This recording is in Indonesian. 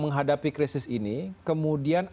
menghadapi krisis ini kemudian